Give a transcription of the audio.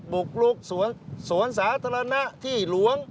บุกลุกสวนสาธารณะที่หลวง